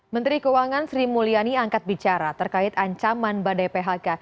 menteri keuangan sri mulyani angkat bicara terkait ancaman badai phk